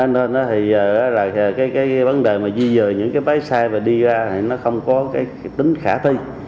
nên đó thì cái vấn đề mà di dời những cái máy xay và đi ra thì nó không có cái tính khả ti